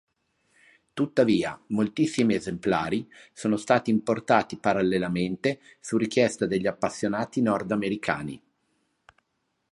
Tuttavia moltissimi esemplari sono stati importati parallelamente su richiesta dagli appassionati nord americani.